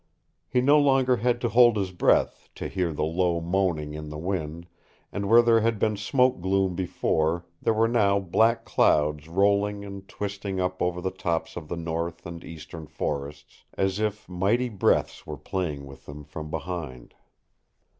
He no longer had to hold his breath to hear the low moaning in the wind, and where there had been smoke gloom before there were now black clouds rolling and twisting up over the tops of the north and eastern forests, as if mighty breaths were playing with them from behind.